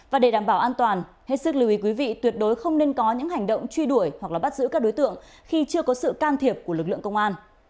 và để đảm bảo an toàn hết sức lưu ý quý vị tuyệt đối không nên có những hành động truy đuổi hoặc bắt giữ các đối tượng khi chưa có sự can thiệp của lực lượng công an